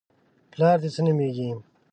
_پلار دې څه نومېږي؟